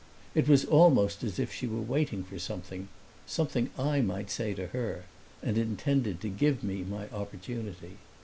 It was almost as if she were waiting for something something I might say to her and intended to give me my opportunity.